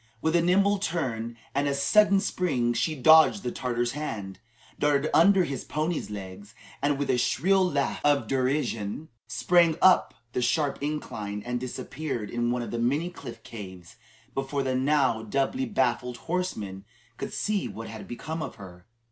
With a nimble turn and a sudden spring, she dodged the Tartar's hand, darted under his pony's legs, and with a shrill laugh of derision, sprang up the sharp incline, and disappeared in one of the many cliff caves before the now doubly baffled horsemen could see what had become of her.